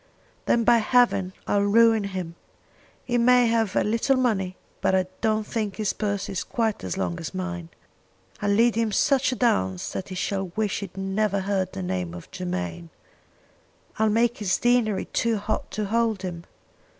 "Then by heaven I'll ruin him. He may have a little money, but I don't think his purse is quite so long as mine. I'll lead him such a dance that he shall wish he had never heard the name of Germain. I'll make his deanery too hot to hold him.